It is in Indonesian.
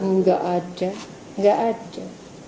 nggak ada nggak ada